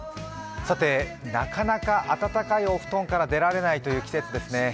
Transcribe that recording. なかなか温かいお布団から出られないという季節ですね。